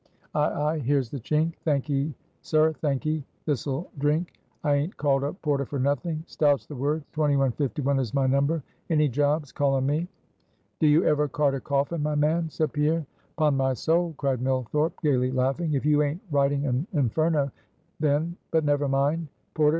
"Ay, ay! here's the chink! Thank'ee sir, thank'ee. This'll drink. I aint called a porter for nothing; Stout's the word; 2151 is my number; any jobs, call on me." "Do you ever cart a coffin, my man?" said Pierre. "'Pon my soul!" cried Millthorpe, gayly laughing, "if you aint writing an Inferno, then but never mind. Porter!